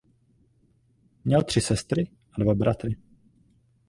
Měl tři sestry a dva bratry.